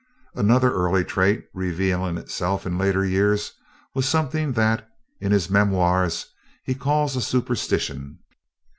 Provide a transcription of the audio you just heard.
Another early trait revealing itself in later years was something that, in his Memoirs, he calls a superstition.